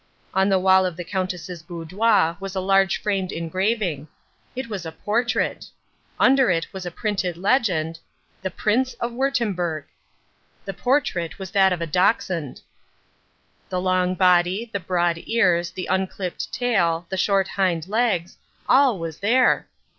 On the wall of the Countess's boudoir was a large framed engraving. It was a portrait. Under it was a printed legend: THE PRINCE OF WURTTEMBERG The portrait was that of a Dachshund. The long body, the broad ears, the unclipped tail, the short hind legs—all was there.